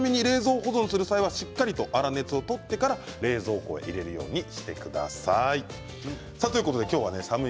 ちなみに冷蔵保存する際はしっかりと粗熱を取ってから冷蔵庫へ入れるようにしてください。